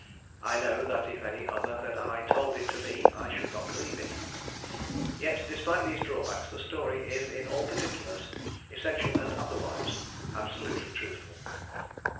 I know that if any other than I told it to me I should not believe it. Yet despite these drawbacks the story is in all particulars, essential and otherwise, absolutely truthful.